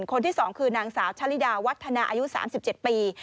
คนที่๒คือนางสาวชะลิดาวัฒนาอายุ๓๗ปี